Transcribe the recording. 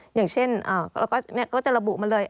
อย่างเช่นแล้วก็จะระบุมาเลย